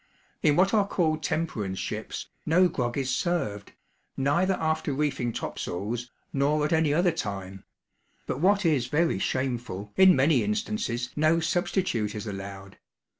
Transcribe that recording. In what are called temperance ships, no grog is served, neither after reefing topsails, nor at any other time; but what is very shameful, in many instances no substitute is allowed.